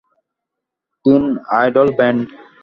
Tin idol band?